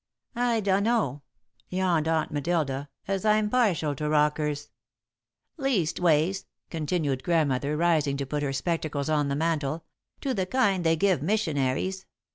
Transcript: "I dunno," yawned Aunt Matilda, "as I'm partial to rockers." "Leastways," continued Grandmother, rising to put her spectacles on the mantel, "to the kind they give missionaries.